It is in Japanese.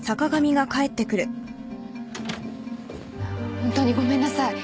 本当にごめんなさい。